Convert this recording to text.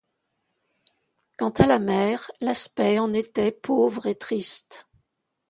Quant à la mère, l'aspect en était pauvre et triste.